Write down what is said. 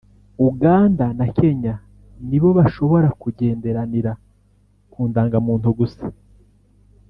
Uganda na Kenya nibo bashobora kugenderanira ku ndangamuntu gusa